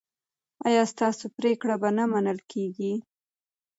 ایا ستاسو پریکړې به نه منل کیږي؟